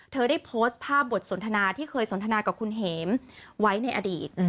ได้โพสต์ภาพบทสนทนาที่เคยสนทนากับคุณเห็มไว้ในอดีต